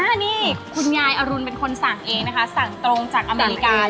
อันนี้คุณยายอรุณเป็นคนสั่งเองนะคะสั่งตรงจากอเมริกา